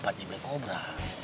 bapaknya black cobra